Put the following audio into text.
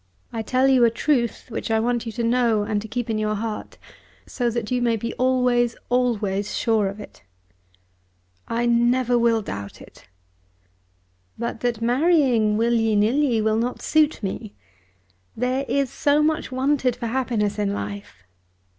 I tell you a truth which I want you to know and to keep in your heart, so that you may be always, always sure of it." "I never will doubt it." "But that marrying will ye nill ye, will not suit me. There is so much wanted for happiness in life."